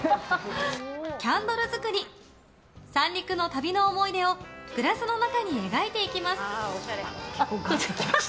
三陸の旅の思い出をグラスの中に描いていきます。